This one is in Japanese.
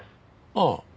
ああ。